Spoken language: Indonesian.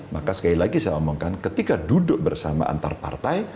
maka sekali lagi saya omongkan ketika duduk bersama antar partai